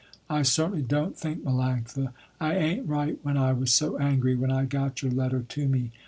I certainly don't think, Melanctha, I ain't right when I was so angry when I got your letter to me.